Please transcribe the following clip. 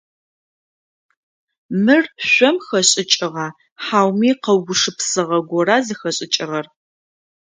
Мыр шъом хэшӏыкӏыгъа, хьауми къэугупшысыгъэ гора зыхэшӏыкӏыгъэр?